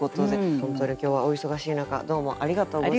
本当に今日はお忙しい中どうもありがとうございました。